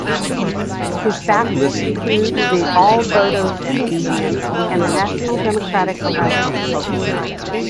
His backers include the All Bodo Students Union and the National Democratic Alliance.